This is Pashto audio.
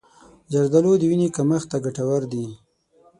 زردآلو د وینې کمښت ته ګټور دي.